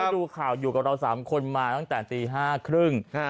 ดูข่าวอยู่กับเราสามคนมาตั้งแต่ตีห้าครึ่ง